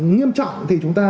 nghiêm trọng thì chúng ta